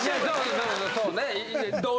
・そうね。